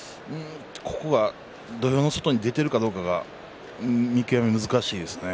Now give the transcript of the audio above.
ここが土俵の外に出ているかどうかが見極め、難しいですね。